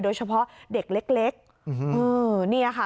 โดยเฉพาะเด็กเล็ก